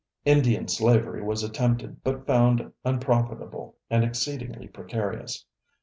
Indian slavery was attempted but found unprofitable and exceedingly precarious.